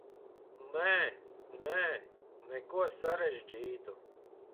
Nē, nē, neko sarežģītu.